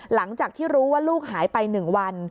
หลังจากที่รู้ว่าลูกหายไป๑วัน